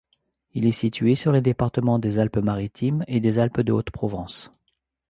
Il est situé sur les départements des Alpes-Maritimes et des Alpes-de-Haute-Provence.